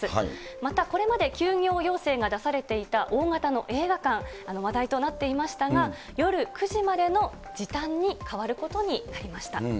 また、これまで休業要請が出されていた大型の映画館、話題となっていましたが、夜９時までの時短に変わることになりました。